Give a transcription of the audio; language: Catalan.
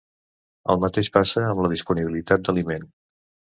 El mateix passa amb la disponibilitat d'aliment.